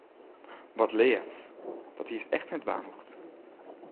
Wat leaf, dat hiest echt net dwaan hoegd.